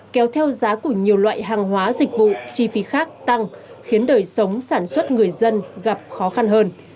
kéo theo giá của nhiều loại hàng hóa dịch vụ chi phí khác tăng khiến đời sống sản xuất người dân gặp khó khăn hơn